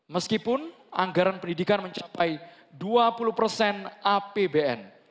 meskipun anggaran pendidikan mencapai dua puluh persen apbn